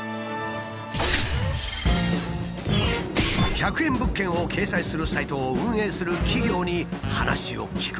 １００円物件を掲載するサイトを運営する企業に話を聞く。